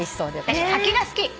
私柿が好き。